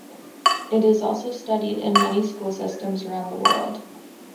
It is also studied in many school systems around the world.